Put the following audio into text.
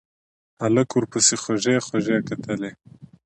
هلک ورپسې خوږې خوږې کتلې.